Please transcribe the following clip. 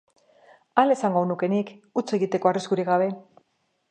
Hala esango nuke nik, huts egiteko arriskurik gabe.